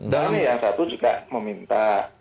dan yang satu juga meminta